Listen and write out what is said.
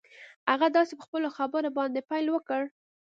هغه داسې په خپلو خبرو باندې پيل وکړ.